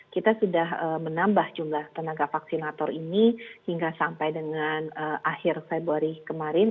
kita sudah menambah jumlah tenaga vaksinator ini hingga sampai dengan akhir februari kemarin